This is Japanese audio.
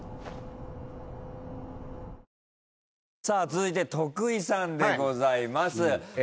さあ続いて徳井さんでございます。